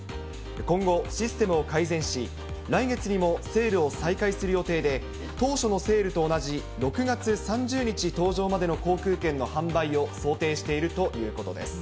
今後、システムを改善し、来月にもセールを再開する予定で、当初のセールと同じ６月３０日搭乗までの航空券の販売を想定しているということです。